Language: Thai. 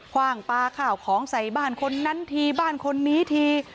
ว่างปลาข้าวของใส่บ้านคนนั้นทีบ้านคนนี้ที